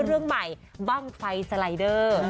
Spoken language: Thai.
เรื่องใหม่บ้างไฟสไลเดอร์